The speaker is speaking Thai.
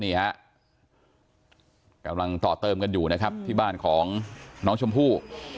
นี่ฮะกำลังต่อเติมกันอยู่นะครับที่บ้านของน้องชมพู่